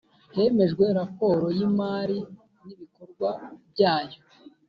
Hemejwe raporo y imari n ibikorwa bya yo